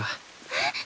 えっ！